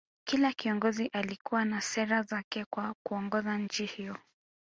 Kila kiongozi alikuwa na sera zake kwa kuongoza nchi hiyo